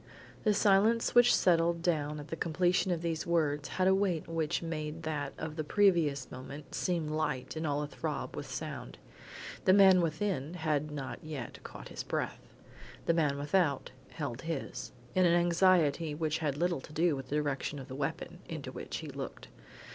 The silence which settled down at the completion of these words had a weight which made that of the previous moment seem light and all athrob with sound. The man within had not yet caught his breath; the man without held his, in an anxiety which had little to do with the direction of the weapon, into which he looked.